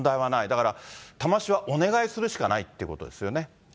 だから、多摩市はお願いするしかないということですよね。